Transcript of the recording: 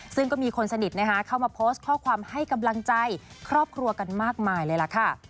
ซึ่งก็มีคนสนิทเข้ามาโพสต์ข้อความให้กำลังใจครอบครัวกันมากมายเลยล่ะค่ะ